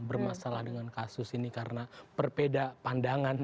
bermasalah dengan kasus ini karena perpeda pandangan